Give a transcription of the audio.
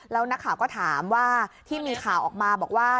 แล้วนักข่าวก็ถามว่าที่มีข่าวออกมาบอกว่า